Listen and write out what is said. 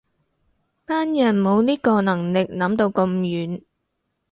班人冇呢個能力諗到咁遠